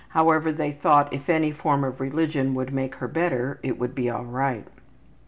However, they thought if any form of religion would make her better it would be all right.